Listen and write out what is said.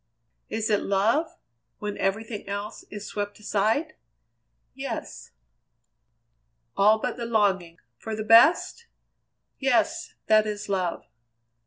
"Is it love when everything else is swept aside?" "Yes." "All but the longing for the best?" "Yes. That is love."